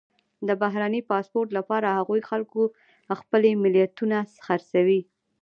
د بهرني پاسپورټ لپاره هغو خلکو خپلې ملیتونه خرڅوي.